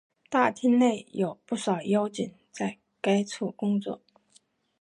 大厅内有不少妖精在该处工作。